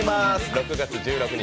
６月１６日